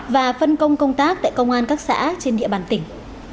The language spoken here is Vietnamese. và phân công công tác tại công an các xã trên địa bàn tỉnh